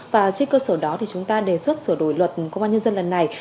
và trên cơ sở đó thì chúng ta đề xuất sửa đổi luật công an nhân dân lần này